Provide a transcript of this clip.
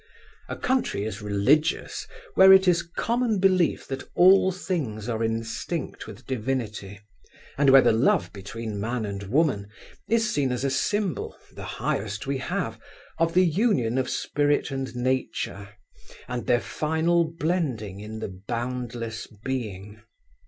A country is religious where it is common belief that all things are instinct with divinity, and where the love between man and woman is seen as a symbol, the highest we have, of the union of spirit and nature, and their final blending in the boundless being.